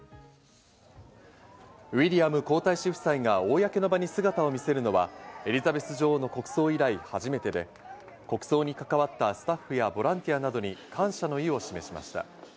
ウィリアム皇太子夫妻が公の場に姿を見せるのはエリザベス女王の国葬以来初めてで、国葬に関わったスタッフやボランティアなどに感謝の意を示しました。